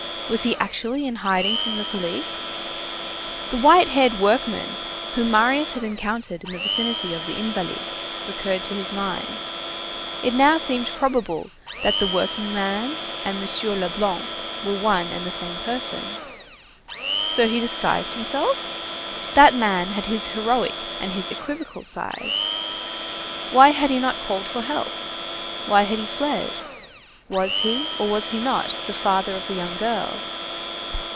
Was he actually in hiding from the police? The white haired workman whom Marius had encountered in the vicinity of the Invalides recurred to his mind. It now seemed probable that that workingman and M. Leblanc were one and the same person. So he disguised himself? That man had his heroic and his equivocal sides. Why had he not called for help? Why had he fled? Was he, or was he not, the father of the young girl?